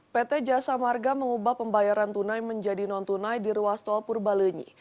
pt jasa marga mengubah pembayaran tunai menjadi non tunai di ruas tol purbalenyi